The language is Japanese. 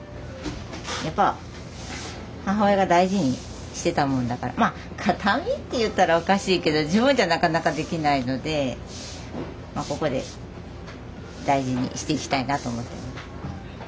やっぱ母親が大事にしてたもんだからまあ形見っていったらおかしいけど自分じゃなかなかできないのでここで大事にしていきたいなと思って。